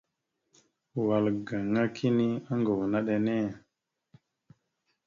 Wal gaŋa kini oŋgov naɗ enne.